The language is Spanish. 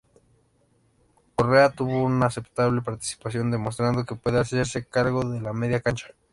Correa tuvo una aceptable participación demostrando que puede hacerse cargo de la media cancha.